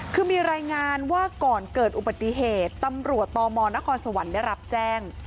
คือมีรายงานว่าก่อนเกิดอุบัติเหตุตำรวจตมนครสวรรค์ได้รับแจ้ง